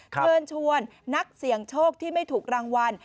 เชิญชวนนักเสี่ยงโชคที่ไม่ถูกรางวัล